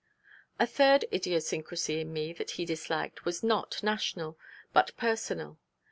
A third idiosyncrasy in me that he disliked was not national, but personal.